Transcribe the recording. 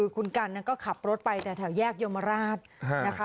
คุณกันก็ขับรถไปแต่แถวแยกยมราชนะคะ